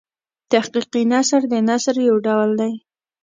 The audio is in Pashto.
تحقیقي نثر د نثر یو ډول دﺉ.